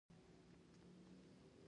والیبال په ټول افغانستان کې کیږي.